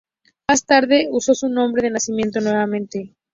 Más tarde usó su nombre de nacimiento nuevamente.